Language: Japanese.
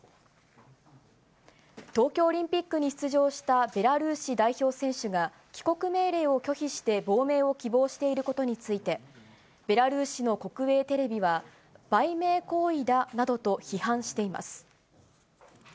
東京オリンピックに出場した、ベラルーシ代表選手が、帰国命令を拒否して亡命を希望していることについて、ベラルーシの国営テレビは、売名行為だなどと批判しています。